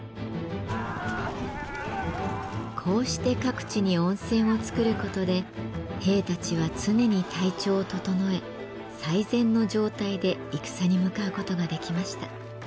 こうして各地に温泉をつくることで兵たちは常に体調を整え最善の状態で戦に向かうことができました。